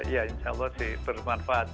ya insya allah sih bermanfaat